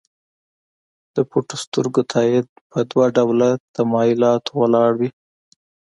د پټو سترګو تایید په دوه ډوله تمایلاتو ولاړ وي.